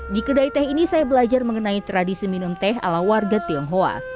di kedai teh ini saya belajar mengenai tradisi minum teh ala warga tionghoa